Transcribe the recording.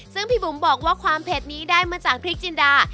ซึ่งพี่บุ๋มบอกว่าความเผ็ดนี้ได้มาจากพริกจินดา